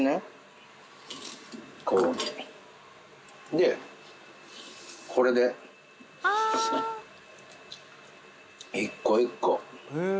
でこれで１個１個。